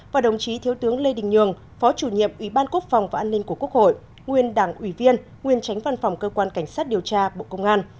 và đồng chí thiếu tướng lê đình nhường phó chủ nhiệm ủy ban quốc phòng và an ninh của quốc hội nguyên đảng ủy viên nguyên tránh văn phòng cơ quan cảnh sát điều tra bộ công an